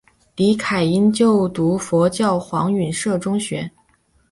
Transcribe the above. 李凯茵就读佛教黄允畋中学。